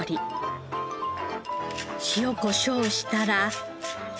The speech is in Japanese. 塩コショウしたら。